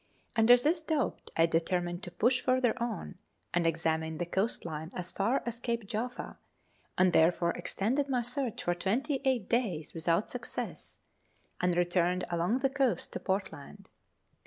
Under this doubt, I determined to push further on, and examine the coast line as far as Cape Jaffa, and therefore extended my search for 28 days without success, and returned along the coast to Portland.